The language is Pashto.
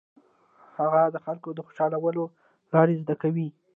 هغه د خلکو د خوشالولو لارې زده کوي.